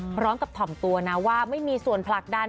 พร้อมกับถ่อมตัวนะว่าไม่มีส่วนผลักดัน